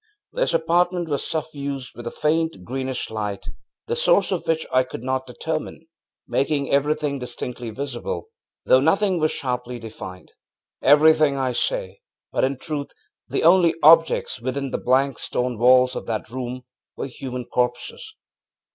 ŌĆ£This apartment was suffused with a faint greenish light, the source of which I could not determine, making everything distinctly visible, though nothing was sharply defined. Everything, I say, but in truth the only objects within the blank stone walls of that room were human corpses.